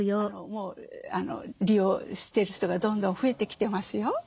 それをもう利用してる人がどんどん増えてきてますよ。